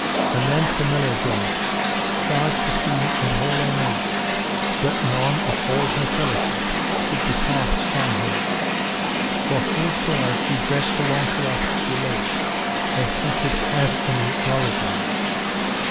And then Sir Meliagrance charged the queen and all her knights that none of all her fellowship should depart from her; for full sore he dread Sir Launcelot du Lake, lest he should have any knowledging.